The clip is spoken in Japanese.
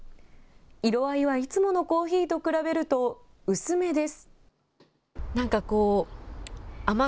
色合いはいつものコーヒーと比べると薄めです。